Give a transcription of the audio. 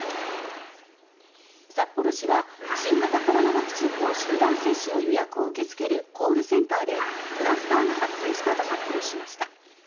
札幌市は新型コロナワクチンの集団接種の予約を受け付けるコールセンターでクラスターが発生したと発表しました。